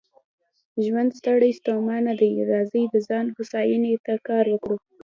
ژوند ستړی ستومانه دی، راځئ د ځان هوساینې ته کار وکړو.